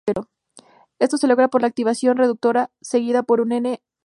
Esto se logra por la activación reductiva seguida por dos "N"-alquilaciones.